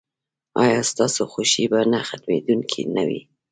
ایا ستاسو خوښي به نه ختمیدونکې نه وي؟